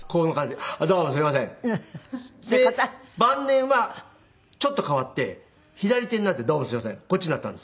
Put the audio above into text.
で晩年はちょっと変わって左手になって「どうもすいません」。